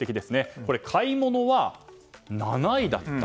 買い物は７位だった。